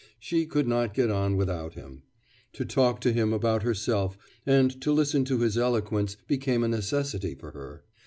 She could not get on without him. To talk to him about herself and to listen to his eloquence became a necessity for her.